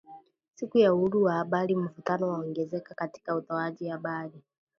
Siku ya Uhuru wa Habari Mvutano waongezeka katika utoaji habari